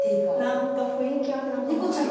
なんか雰囲気あるなこの階段。